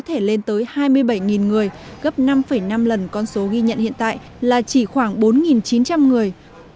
thể lên tới hai mươi bảy người gấp năm năm lần con số ghi nhận hiện tại là chỉ khoảng bốn chín trăm linh người